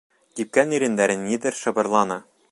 Кипкән ирендәре ниҙер шыбырланы: